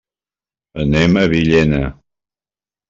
Anem a Villena.